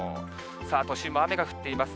さあ、都心は雨が降っています。